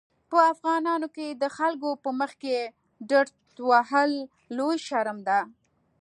په افغانانو کې د خلکو په مخکې ډرت وهل لوی شرم دی.